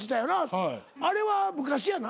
あれは昔やな？